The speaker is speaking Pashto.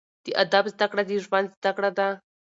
د ادب زده کړه، د ژوند زده کړه ده.